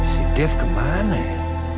si dev kemana ya